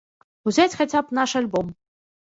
Узяць хаця б наш альбом.